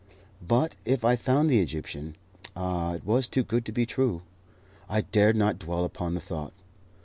But if I found the Egyptian! Ah, it was too good to be true. I dared not dwell upon the thought.